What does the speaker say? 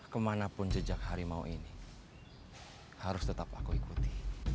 ke manapun jejak harimau ini harus tetap aku ikuti